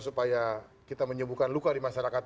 supaya kita menyembuhkan luka di masyarakat